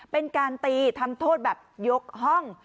เป็นการตีทำโทษแบบยกห้อง